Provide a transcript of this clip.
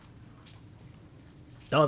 どうぞ！